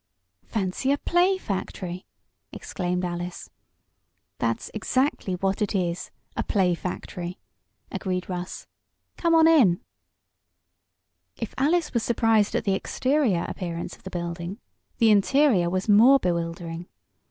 "Fancy a play factory!" exclaimed Alice. "That's exactly what it is a play factory," agreed Russ. "Come on in." If Alice was surprised at the exterior appearance of the building the interior was more bewildering.